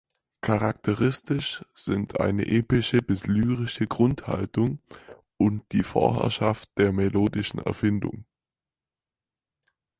Charakteristisch sind eine epische bis lyrische Grundhaltung und die Vorherrschaft der melodischen Erfindung.